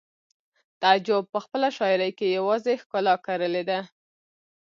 تعجب په خپله شاعرۍ کې یوازې ښکلا کرلې ده